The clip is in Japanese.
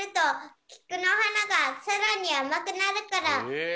へえ！